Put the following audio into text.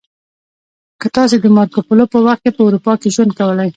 که تاسې د مارکو پولو په وخت کې په اروپا کې ژوند کولی